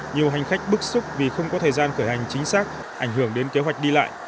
nhiều hành khách bức xúc vì không có thời gian khởi hành chính xác ảnh hưởng đến kế hoạch đi lại